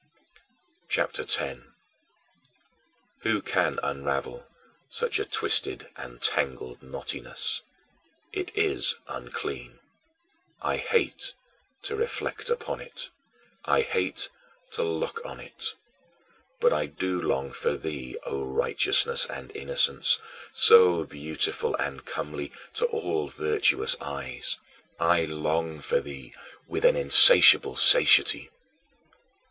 CHAPTER X 18. Who can unravel such a twisted and tangled knottiness? It is unclean. I hate to reflect upon it. I hate to look on it. But I do long for thee, O Righteousness and Innocence, so beautiful and comely to all virtuous eyes I long for thee with an insatiable satiety.